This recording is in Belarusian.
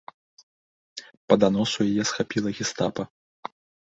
Па даносу яе схапіла гестапа.